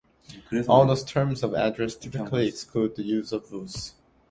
All those terms of address typically exclude the use of "vous".